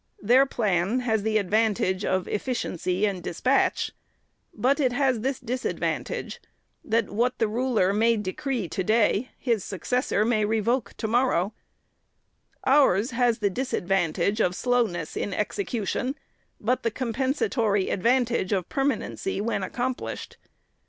Their plan has the advan tage of efficiency and despatch, but it has this disad vantage, that what the ruler may decree to day, his successor may revoke to morrow ; ours has the disad vantage of slowness in execution, but the compensatory advantage of permanency, when accomplished.